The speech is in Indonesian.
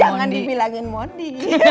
jangan dibilangin mondi